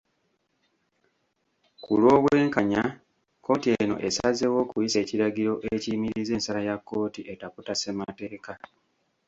Ku lw'obwenkanya, kkooti eno esazeewo okuyisa ekiragiro ekiyimiriza ensala ya kkooti etaputa Ssemateeka.